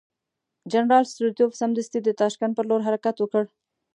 جنرال ستولیتوف سمدستي د تاشکند پر لور حرکت وکړ.